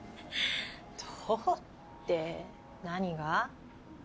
どうって何が？